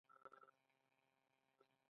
د زابل په شهر صفا کې څه شی شته؟